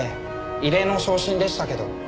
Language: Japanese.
異例の昇進でしたけど。